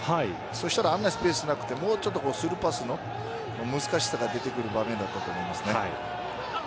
そしたらあんなスペースなくてもうちょっとスルーパスの難しさが出てくる場面だったと思います。